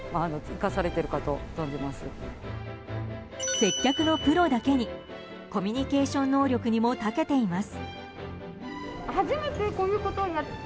接客のプロだけにコミュニケーション能力にも長けています。